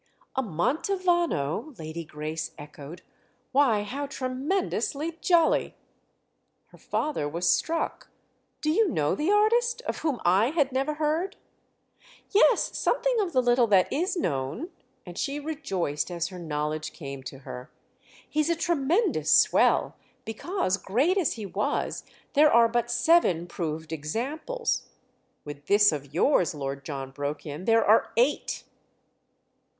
"A Mantovano?" Lady Grace echoed. "Why, how tremendously jolly!" Her father was struck. "Do you know the artist—of whom I had never heard?" "Yes, something of the little that is known." And she rejoiced as her knowledge came to her. "He's a tremendous swell, because, great as he was, there are but seven proved examples——" "With this of yours," Lord John broke in, "there are eight."